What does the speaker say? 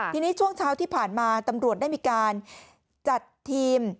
ทีนี้ช่วงเช้าที่ผ่านมาตำรวจได้มีการจัดทีม